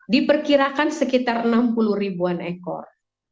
diperkirakan sekitar enam puluh ribuan ekor